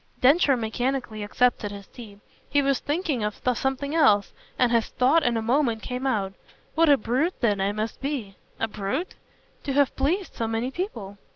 Densher mechanically accepted his tea. He was thinking of something else, and his thought in a moment came out. "What a brute then I must be!" "A brute ?" "To have pleased so many people."